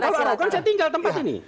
kalau arogan saya tinggal di tempat ini